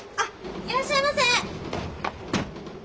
いらっしゃいませ！